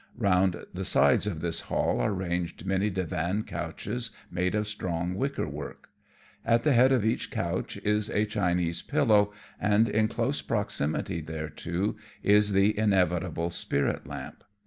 Round the sides of this hall are ranged many divan couches made of strong wicker work. At the head of each couch is a Chinese pilloWj and in close proximity thereto is the inevitable spirit lamp.